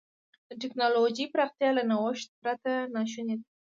د ټکنالوجۍ پراختیا له نوښت پرته ناشونې ده.